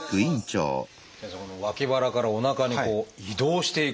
先生脇腹からおなかにこう移動していく。